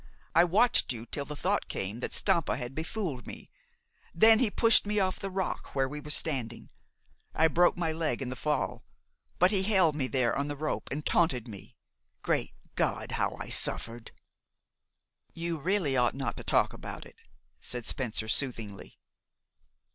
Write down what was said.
I watched you till the thought came that Stampa had befooled me. Then he pushed me off the rock where we were standing. I broke my leg in the fall; but he held me there on the rope and taunted me. Great God! how I suffered!" "You really ought not to talk about it," said Spencer soothingly.